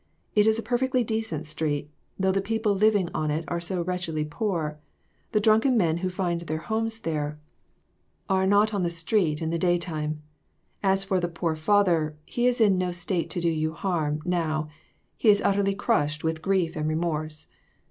It is a perfectly decent street, though the people living on it are so wretchedly poor. The drunken men who find their homes there, are not on the street COMPLICATIONS. 367 in the daytime. As for the poor father, he is in no state to do you harm, now ; he is utterly crushed with grief and remorse.